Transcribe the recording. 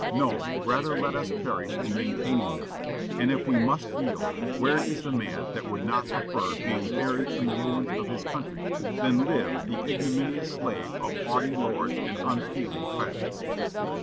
No, rather let us perish in maintaining them. And if we must yield, where is the man that would not prefer being buried in the ruins of his country than live the ignominious slave of haughty lords and unfeeling tyrants?"